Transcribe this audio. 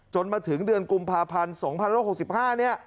จนมาถึงเดือนกุมภาพันธ์สองพันห้าร้อยหกสิบห้าเนี่ย